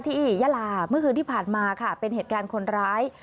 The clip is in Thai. ยาลาเมื่อคืนที่ผ่านมาค่ะเป็นเหตุการณ์คนร้าย